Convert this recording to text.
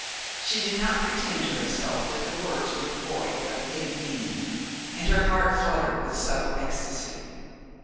She did not pretend to herself that the words were devoid of a hidden meaning, and her heart fluttered with subtle ecstasy.